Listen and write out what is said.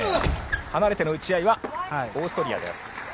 離れての打ち合いはオーストリアです。